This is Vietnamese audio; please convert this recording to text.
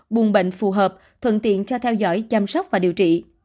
buồn bệnh phù hợp thuận tiện cho theo dõi chăm sóc và điều trị